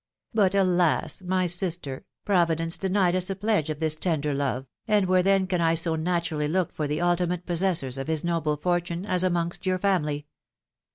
But, alas ! my sister, Providence denied us a pledge of this tender love, and where then can I so naturally look for the ultimate possessors of his noble fortune as amongst your family